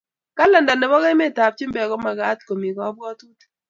Kelanda kebo emet ab chumbek ko mamakat ok komi kabwatutik